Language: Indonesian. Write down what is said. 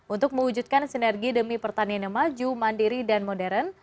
untuk mewujudkan sinergi demi pertanian yang maju mandiri dan modern